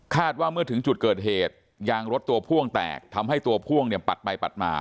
ว่าเมื่อถึงจุดเกิดเหตุยางรถตัวพ่วงแตกทำให้ตัวพ่วงเนี่ยปัดไปปัดมา